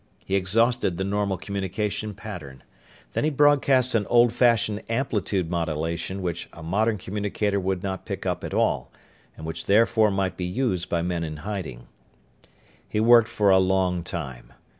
He exhausted the normal communication pattern. Then he broadcast on old fashioned amplitude modulation which a modern communicator would not pick up at all, and which therefore might be used by men in hiding. He worked for a long time.